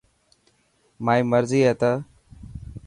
مائي مرضي هي ته.